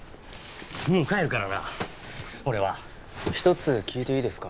もう帰るからな俺は一つ聞いていいですか？